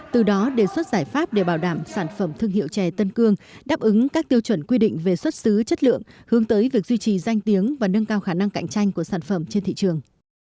từ đó đề xuất giải pháp để bảo đảm sản phẩm thương hiệu chè tân cương đáp ứng các tiêu chuẩn quy định về xuất xứ chất lượng hướng tới việc duy trì danh tiếng và nâng cao khả năng cạnh tranh của sản phẩm trên thị trường